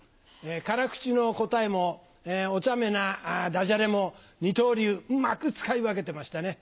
辛口の答えも、おちゃめなダジャレも二刀流、うまく使い分けてましたね。